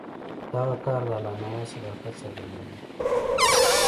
دغه کار د الله نواز صداقت څرګندوي.